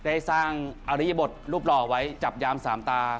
ได้สร้างอริยบทรูปหล่อไว้จับยามสามตา